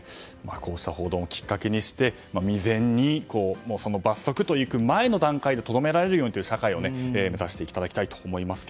こうした報道をきっかけにして未然に、罰則にいく前の段階でとどめられるようにという社会を目指していただきたいと思います。